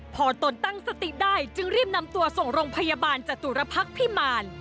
พอตนตั้งสติได้จึงรีบนำตัวส่งโรงพยาบาลจตุรพักษ์พิมาร